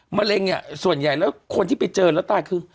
มะเร็งเนี่ยส่วนใหญ่แล้วคนที่ไปเจอแล้วตายคือ